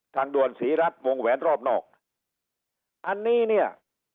ทางด่วนศรีรัฐวงแหวนรอบนอกอันนี้เนี่ย